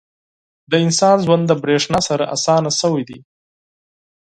• د انسان ژوند د برېښنا سره اسانه شوی دی.